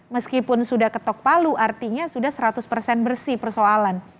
meskipun sudah ketok palu artinya sudah seratus persen bersih persoalan